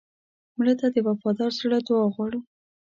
مړه ته د وفادار زړه دعا غواړو